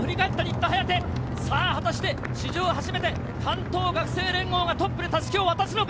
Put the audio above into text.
果たして史上初めて関東学生連合がトップで襷を渡すのか？